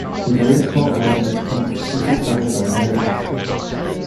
Their very small eyes are completely covered by a layer of skin.